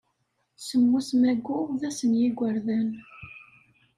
Semmus Mayyu d ass n yigerdan.